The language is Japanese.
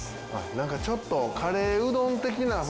なんかちょっとカレーうどん的な雰囲気。